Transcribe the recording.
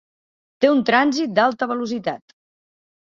Té un trànsit d'alta velocitat.